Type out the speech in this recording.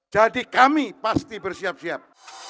jadi kami pasti bersiap siap